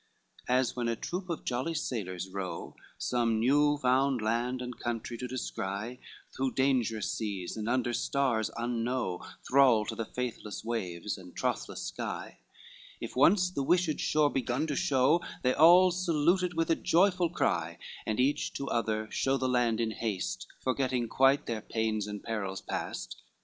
IV As when a troop of jolly sailors row Some new found land and country to descry, Through dangerous seas and under stars unknowe, Thrall to the faithless waves, and trothless sky, If once the wished shore begun to show, They all salute it with a joyful cry, And each to other show the land in haste, Forgetting quite their pains and perils past.